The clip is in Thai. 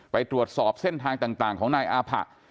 ไปตรวจสอบเส้นทางต่างของนายอาผะ